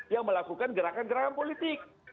yang melakukan gerakan gerakan politik